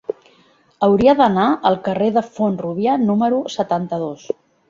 Hauria d'anar al carrer de Font-rúbia número setanta-dos.